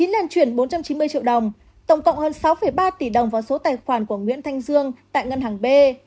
lần chuyển bốn trăm chín mươi triệu đồng tổng cộng hơn sáu ba tỷ đồng vào số tài khoản của nguyễn thanh dương tại ngân hàng b